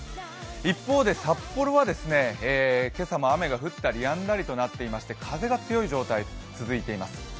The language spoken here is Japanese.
一方で札幌は、今朝も雨が降ったりやんだりとなっていまして風が強い状態、続いています。